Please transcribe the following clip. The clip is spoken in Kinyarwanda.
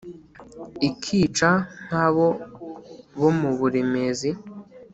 Ikica nk'abo bo mu Buremezi